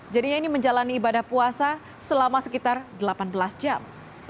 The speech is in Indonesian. jadinya ini menjalani ibadah puasa selama sekitar delapan belas jam